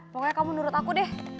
pokoknya kamu menurut aku deh